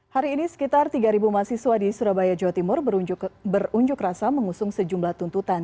hari ini sekitar tiga mahasiswa di surabaya jawa timur berunjuk rasa mengusung sejumlah tuntutan